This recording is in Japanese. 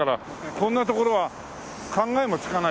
こんなところは考えもつかないよね。